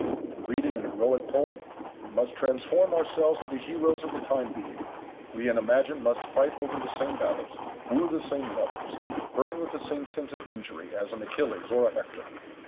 In reading an heroic poem we must transform ourselves into heroes of the time being, we in imagination must fight over the same battles, woo the same loves, burn with the same sense of injury, as an Achilles or a Hector.